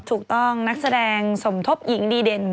ถูกต้องนักแสดงสมทบหญิงดีเด่น